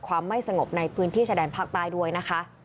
ไม่สงบในพื้นที่ชะแดนภาคใต้ด้วยนะคะ